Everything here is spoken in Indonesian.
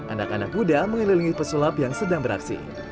anak anak muda mengelilingi pesulap yang sedang beraksi